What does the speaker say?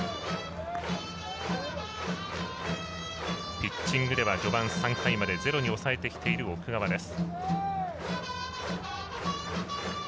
ピッチングでは序盤３回までゼロに抑えてきている奥川です。